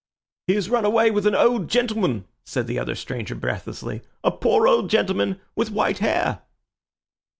"He has run away with an old gentleman," said the other stranger breathlessly, "a poor old gentleman with white hair!"